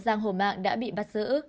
giang hồ mạng đã bị bắt giữ